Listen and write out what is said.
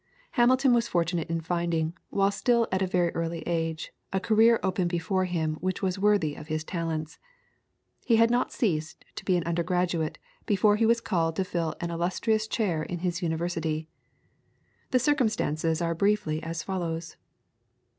Hamilton was fortunate in finding, while still at a very early age, a career open before him which was worthy of his talents. He had not ceased to be an undergraduate before he was called to fill an illustrious chair in his university. The circumstances are briefly as follows.